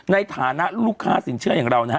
ในฐานะลูกค้าสินเชื่ออย่างเรานะฮะ